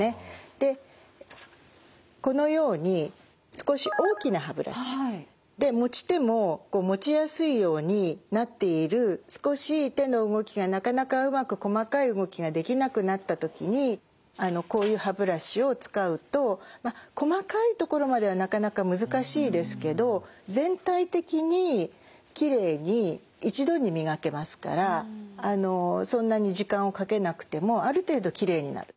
でこのように少し大きな歯ブラシで持ち手も持ちやすいようになっている少し手の動きがなかなかうまく細かい動きができなくなった時にこういう歯ブラシを使うとまあ細かい所まではなかなか難しいですけど全体的にきれいに一度に磨けますからそんなに時間をかけなくてもある程度きれいになる。